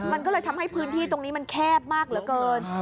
มันก็เลยทำให้พื้นที่ตรงนี้มันแคบมากเหลือเกิน